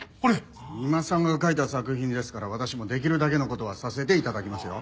三馬さんが書いた作品ですから私もできるだけの事はさせて頂きますよ。